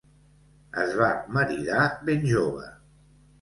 Es va maridar ben jove.